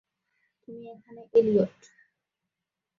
তুই এখানে এলিয়ট!